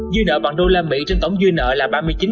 dư nợ bằng usd trên tổng dư nợ là ba mươi chín bốn